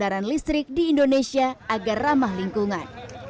kendaraan listrik di indonesia agar ramah lingkungan